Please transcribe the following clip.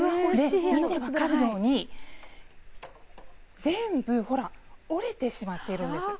見て分かるように全部折れてしまっているんです。